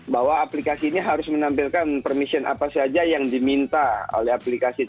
bahwa aplikasi ini harus menampilkan permission apa saja yang diminta oleh aplikasi tersebut